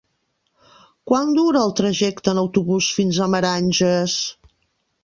Quant dura el trajecte en autobús fins a Meranges?